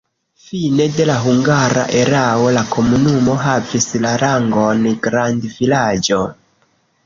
Fine de la hungara erao la komunumo havis la rangon grandvilaĝo.